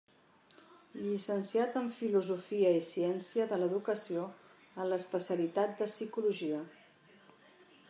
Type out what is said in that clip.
Llicenciat en Filosofia i Ciències de l'Educació en l'especialitat de Psicologia.